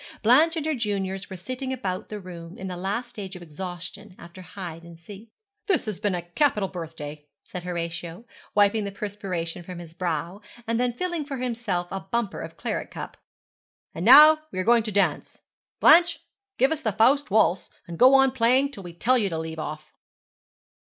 Blanche and her juniors were sitting about the room, in the last stage of exhaustion after hide and seek. 'This has been a capital birthday,' said Horatio, wiping the perspiration from his brow, and then filling for himself a bumper of claret cup; 'and now we are going to dance. Blanche, give us the Faust Waltz, and go on playing till we tell you to leave off.'